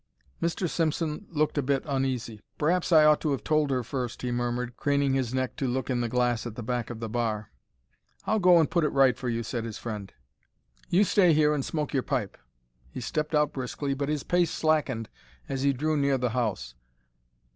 Mr. Simpson looked a bit uneasy. "P'r'aps I ought to have told her first," he murmured, craning his neck to look in the glass at the back of the bar. "I'll go and put it right for you," said his friend. "You stay here and smoke your pipe." He stepped out briskly, but his pace slackened as he drew near the house.